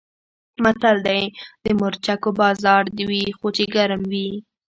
متل دی: د مرچکو بازار دې وي خو چې ګرم وي.